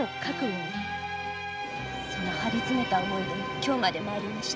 その張りつめた思いで今日まで参りました。